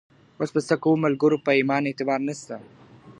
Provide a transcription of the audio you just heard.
اوس به څه کوو ملګرو په ایمان اعتبار نسته .